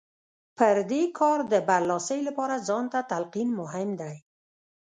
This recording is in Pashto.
پر دې کار د برلاسۍ لپاره ځان ته تلقين مهم دی.